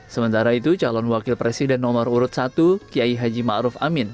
sementara itu calon wakil presiden nomor urut satu kiai haji ma'ruf amin